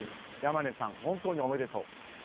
山根さん、本当におめでとう。